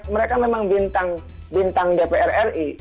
mereka memang bintang bintang dpr ri